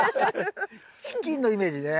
チキンのイメージね。